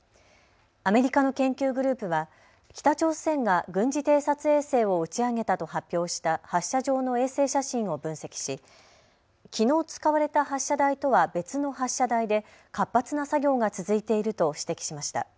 アメリカの研究グループは北朝鮮が軍事偵察衛星を打ち上げたと発表した発射場の衛星写真を分析し、きのう使われた発射台とは別の発射台で活発な作業が続いていると指摘しました。